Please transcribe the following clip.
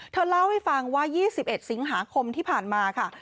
เธอเล่าให้ฟังว่า๒๑สิงหาคมที่ผ่านมาค่ะ